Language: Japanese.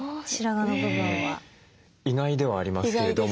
意外ではありますけれども。